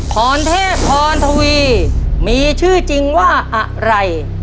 พรเทพพรทวีมีชื่อจริงว่าอะไร